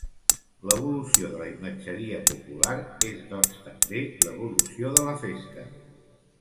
L'evolució de la imatgeria popular és doncs també l'evolució de la Festa.